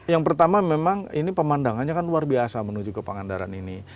yang pertama memang ini pemandangannya kan luar biasa menuju ke pangandaran ini